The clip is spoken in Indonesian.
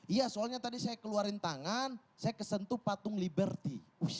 iya soalnya tadi saya keluarin tangan saya kesentuh patung liberty